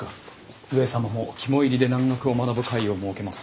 上様も肝煎りで蘭学を学ぶ会を設けます。